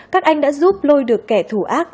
các anh đã giúp lôi được kẻ thủ ác